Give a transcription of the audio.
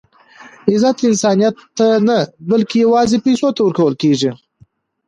عزت انسانیت ته نه؛ بلکي یوازي پېسو ته ورکول کېږي.